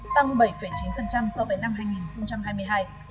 tăng bảy chín so với năm nay